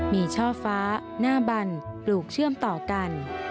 มีช่อฟ้าหน้าบันปลูกเชื่อมต่อกัน